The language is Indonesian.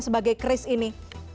sebagai kris ini